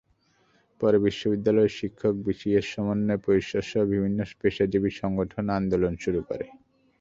পরে বিশ্ববিদ্যালয়ের শিক্ষক, বিসিএস সমন্বয় পরিষদসহ বিভিন্ন পেশাজীবী সংগঠন আন্দোলন শুরু করে।